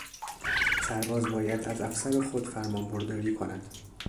سرباز باید از افسر خود فرمانبرداری کند.